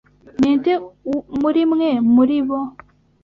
Ninde murimwe muribo?